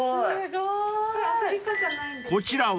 ［こちらは］